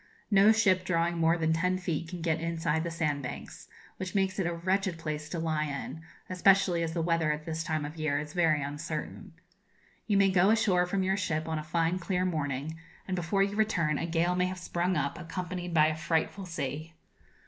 No ship drawing more than ten feet can get inside the sand banks, which makes it a wretched place to lie in, especially as the weather at this time of year is very uncertain. You may go ashore from your ship on a fine clear morning, and before you return a gale may have sprung up, accompanied by a frightful sea.